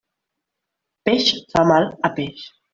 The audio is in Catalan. Peix fa mal a peix.